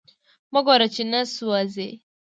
مه ګوره چی نه سوازی